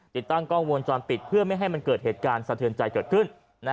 ติดตั้งกล้องวงจรปิดเพื่อไม่ให้มันเกิดเหตุการณ์สะเทือนใจเกิดขึ้น